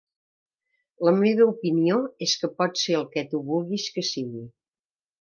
La meva opinió és que pot ser el que tu vulguis que sigui.